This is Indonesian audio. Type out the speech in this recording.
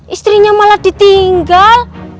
istrinya malah ditinggal